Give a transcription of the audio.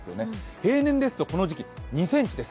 例年ですとこの時期、２ｃｍです